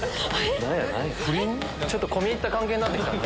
込み入った関係になってきたね。